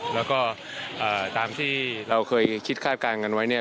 แล้วก็ตามที่เราเคยคิดคาดการณ์กันไว้เนี่ย